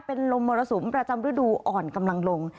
เป็นลมมรสุมประจำฤดูอ่อนกำลังลง